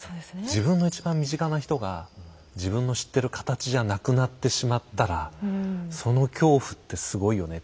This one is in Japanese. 自分の一番身近な人が自分の知ってる形じゃなくなってしまったらその恐怖ってすごいよね。